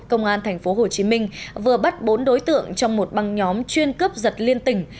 công an tp hcm vừa bắt bốn đối tượng trong một băng nhóm chuyên cướp giật liên tỉnh